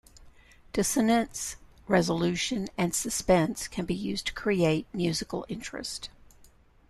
Dissonance, resolution, and suspense can be used to create musical interest.